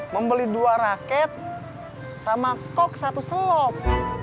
membeli dua raket sama kok satu selop